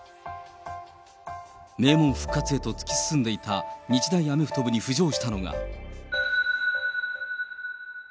名門復活へと突き進んでいた日大アメフト部に浮上したのが。